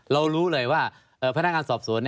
เรารู้เลยว่าพนักงานสอบสวนนี้